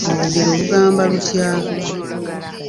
Olugero olugamba lutya?